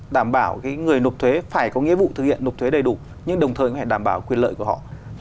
đảm bảo người nộp thuế phải có nghĩa vụ thực hiện nộp thuế đầy đủ nhưng đồng thời cũng phải đảm bảo quyền lợi của họ